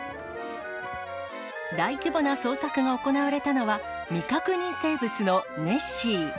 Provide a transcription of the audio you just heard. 大規模な捜索が行われたのは、未確認生物のネッシー。